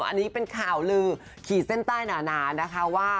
อันนี้เป็นข่าวลือขีดเส้นใต้หนานะคะว่า